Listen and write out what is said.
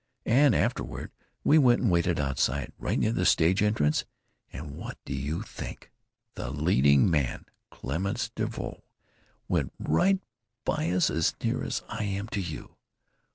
And afterward we went and waited outside, right near the stage entrance, and what do you think? The leading man, Clements Devereaux, went right by us as near as I am to you.